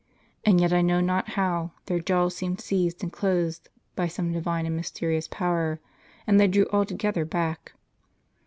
And yet, I know not how, their jaws seemed seized and closed by some divine and mysterious power, and they drew altogether back."